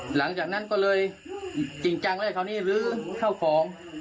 หลังจากนั้นก็เลยจริงจังเลยคราวนี้ลื้อเข้าของ